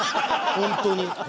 本当に。